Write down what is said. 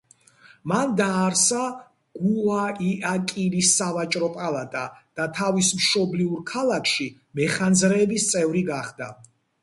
მან დააარსა გუაიაკილის სავაჭრო პალატა და თავის მშობლიურ ქალაქში მეხანძრეების წევრი გახდა.